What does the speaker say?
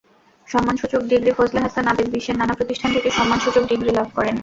সম্মানসূচক ডিগ্রিফজলে হাসান আবেদ বিশ্বের নানা প্রতিষ্ঠান থেকে সম্মানসূচক ডিগ্রি লাভ করেন।